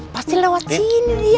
pasti lewat sini dia